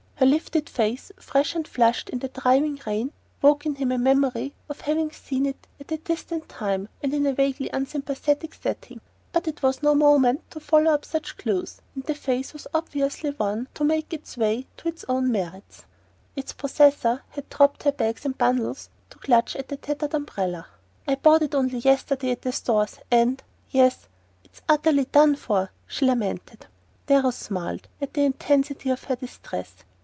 Her lifted face, fresh and flushed in the driving rain, woke in him a memory of having seen it at a distant time and in a vaguely unsympathetic setting; but it was no moment to follow up such clues, and the face was obviously one to make its way on its own merits. Its possessor had dropped her bag and bundles to clutch at the tattered umbrella. "I bought it only yesterday at the Stores; and yes it's utterly done for!" she lamented. Darrow smiled at the intensity of her distress.